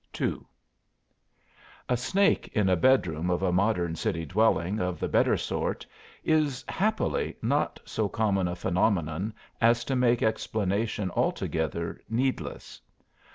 II A snake in a bedroom of a modern city dwelling of the better sort is, happily, not so common a phenomenon as to make explanation altogether needless.